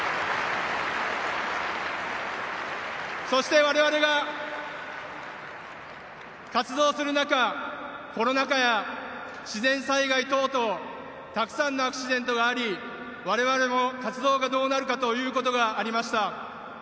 そして我々が活動する中コロナ禍や自然災害等々たくさんのアクシデントがあり我々も活動がどうなるかということがありました。